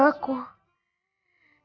itu aku sakit mas